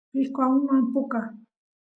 pishqo uman puka